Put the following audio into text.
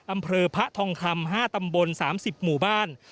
อำเภอพระทองคำ๕ตำบล๓๐หมู่บ้าน